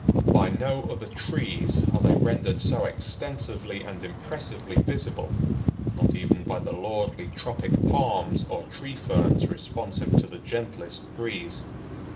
By no other trees are they rendered so extensively and impressively visible, not even by the lordly tropic palms or tree ferns responsive to the gentlest breeze.